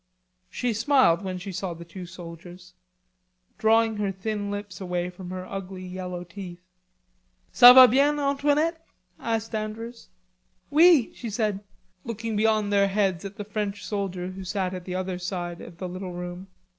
She smiled when she saw the two soldiers, drawing her thin lips away from her ugly yellow teeth. "Ca va bien, Antoinette?" asked Andrews. "Oui," she said, looking beyond their heads at the French soldier who sat at the other side of the little room.